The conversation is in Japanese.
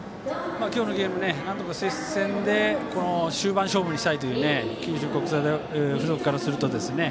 今日のゲーム、なんとか接戦で終盤勝負にしたいという九州国際大付属からするとですね